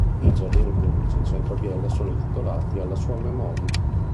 I giardini pubblici in centro a Biella sono intitolati alla sua memoria.